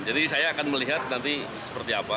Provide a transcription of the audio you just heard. jadi saya akan melihat nanti seperti apa